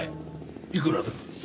いくらだ。